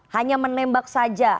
hanya menembak saja